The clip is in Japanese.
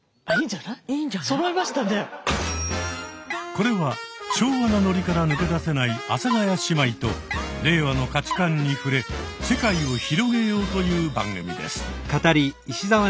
これは昭和なノリから抜け出せない阿佐ヶ谷姉妹と令和の価値観に触れ世界を広げようという番組です。